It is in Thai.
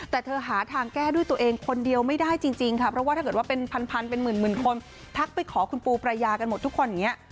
แต่เธอหาทางแก้ด้วยตัวเองคนเดียวไม่ได้จริงค่ะเพราะว่าถ้าเกิดว่าเป็นพันเป็นหมื่นคนทักไปขอคุณปูประยากันหมดทุกคนอย่างนี้